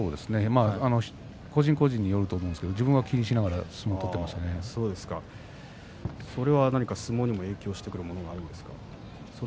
個人個人によると思いますけれど自分は気にしながらそれは相撲に影響してくることはあるんですか？